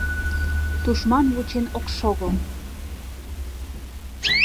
Тушман вучен ок шого!